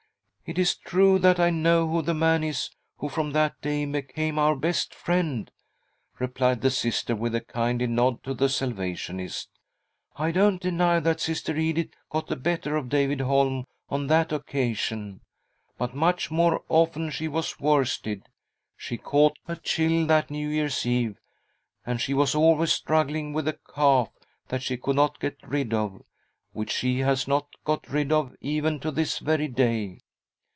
It is true that I know who the man is who from that day became our best friend," replied the Sister, with a kindly nod to the Salvationist. " I don't deny that Sister Edith, got the better of David Holm on that occasion, .• Li A CALL FROM THE PAST 91 but much more often she was worsted. She caught a chill that New Year's Eve, and she was always struggling with a cough that she could not get rid of — which she has not got rid of even to this very day.